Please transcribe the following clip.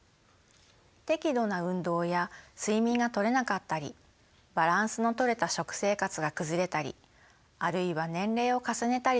適度な運動や睡眠がとれなかったりバランスのとれた食生活が崩れたりあるいは年齢を重ねたりといったことから